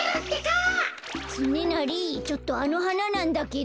つねなりちょっとあのはななんだけど。